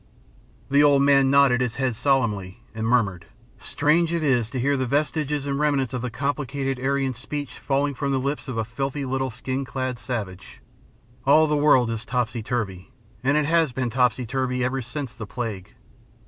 The old man nodded his head solemnly, and murmured: "Strange it is to hear the vestiges and remnants of the complicated Aryan speech falling from the lips of a filthy little skin clad savage. All the world is topsy turvy. And it has been topsy turvy ever since the plague."